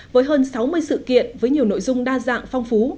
với hơn sáu mươi sự kiện với nhiều nội dung đa dạng phong phú